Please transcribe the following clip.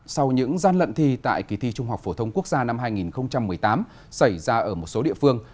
sau những gian lận thi tại kỳ thi trung học phổ thông quốc gia năm hai nghìn một mươi tám xảy ra ở một số địa phương